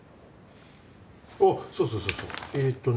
あっそうそうそうそうえっとね